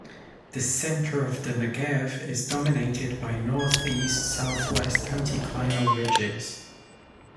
The center of the Negev is dominated by northeast-southwest anticlinal ridges.